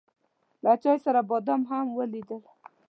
له چای سره بادام هم وليدل.